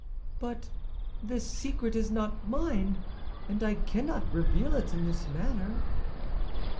"But this secret is not mine, and I cannot reveal it in this manner."